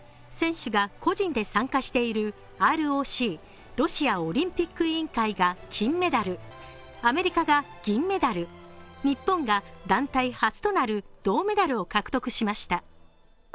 選手が個人で参加しているＲＯＣ＝ロシアオリンピック委員会が金メダル、アメリカが銀メダル、日本が団体初となる銅メダルを獲得しました。